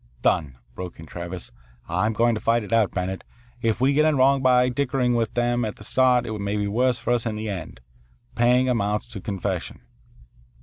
"Done," broke in Travis. "I'm going to fight it out, Bennett. If we get in wrong by dickering with them at the start it may be worse for us in the end. Paying amounts to confession."